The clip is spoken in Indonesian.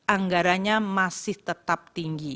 anggarannya masih tetap tinggi